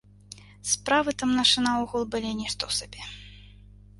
Справы там нашы наогул былі нішто сабе.